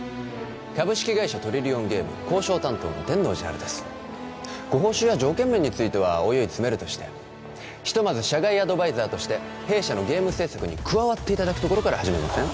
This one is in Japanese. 株式会社トリリオンゲーム交渉担当の天王寺陽ですご報酬や条件面についてはおいおい詰めるとしてひとまず社外アドバイザーとして弊社のゲーム制作に加わっていただくところから始めません？